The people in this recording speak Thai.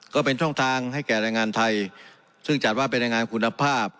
ก็เป็นช่องทางให้แก่แรงงานไทยซึ่งจัดว่าเป็นแรงงานคุณภาพ